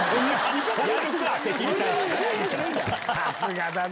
さすがだな！